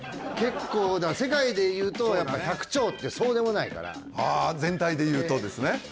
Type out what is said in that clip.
結構世界でいうと１００兆ってそうでもないからああ全体でいうとですね